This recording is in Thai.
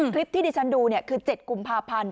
คลิปที่ดิฉันดูคือ๗กุมภาพันธ์